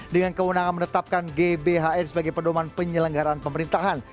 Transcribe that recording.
dengan keunangan menetapkan gbhn sebagai perdoman penyelenggaraan pemerintahan